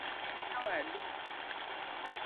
Parne nyawadu